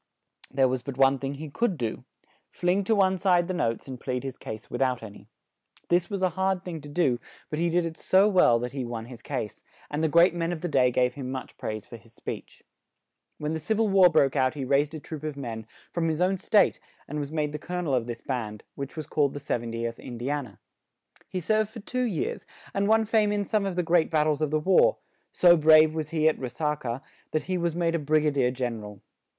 There was but one thing he could do: fling to one side the notes and plead his case without an y. This was a hard thing to do; but he did it so well, that he won his case; and the great men of the day gave him much praise for his speech. When the Civ il War broke out he raised a troop of men, from his own state, and was made the col o nel of this band, which was called the "70th In di an a." He served for two years, and won fame in some of the great bat tles of the war; so brave was he at Re sa ca, that he was made a Brig a dier Gen er al.